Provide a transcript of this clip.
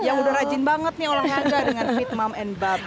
yang udah rajin banget nih olahraga dengan fit mom and bab